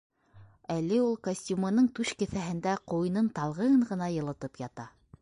Әле ул костюмының түш кеҫәһендә ҡуйынын талғын ғына йылытып ята...